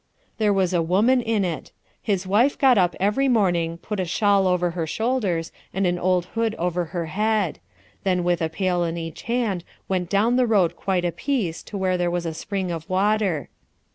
There was a woman in it. His wife got up every morning, put a shawl over her shoulders, and an old hood over her head; then with a pail in each hand went down the road quite a piece to where there was a spring of water.